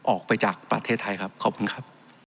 ออกไปจากประเทศไทยครับขอบคุณครับ